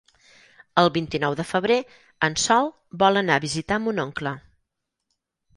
El vint-i-nou de febrer en Sol vol anar a visitar mon oncle.